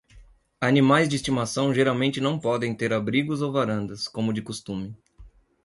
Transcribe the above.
Animais de estimação geralmente não podem ter abrigos ou varandas, como de costume.